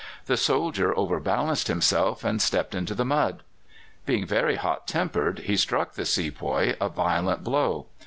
The soldier overbalanced himself, and stepped into the mud. "Being very hot tempered, he struck the sepoy a violent blow.